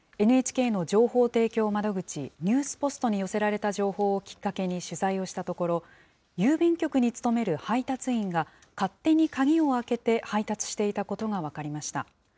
ＮＨＫの情報提供窓口、ニュースポストに寄せられた情報をきっかけに、取材をしたところ、郵便局に勤める配達員が、勝手に鍵を開けて配達していたことが分かりました。